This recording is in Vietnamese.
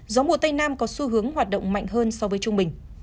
gió mùa tây nam có xu hướng hoạt động mạnh hơn so với trung bình